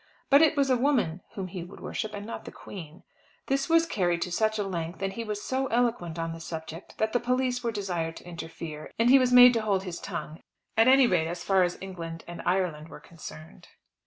But it was a woman whom he would worship, and not the Queen. This was carried to such a length, and he was so eloquent on the subject that the police were desired to interfere, and he was made to hold his tongue, at any rate as far as England and Ireland were concerned.